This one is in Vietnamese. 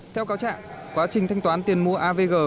theo cáo trạng quá trình thanh toán tiền mua avg